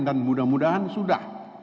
dan mudah mudahan sudah